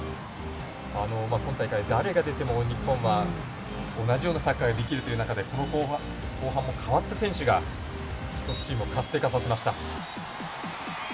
今大会、誰が出ても日本は同じようなサッカーができるという中で後半も代わった選手がチームを活性化させました。